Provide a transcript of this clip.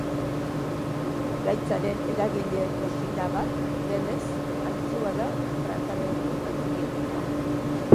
Gaitzaren eragilea toxina bat denez, antzua da tratamendu antibiotikoa.